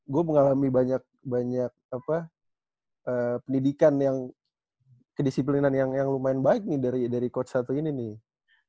gue mengalami banyak banyak pendidikan yang kedisiplinan yang lumayan baik nih dari coach satu ini nih